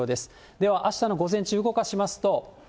ではあしたの午前中、動かしますと。